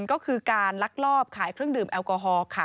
ก็คือการลักลอบขายเครื่องดื่มแอลกอฮอล์ค่ะ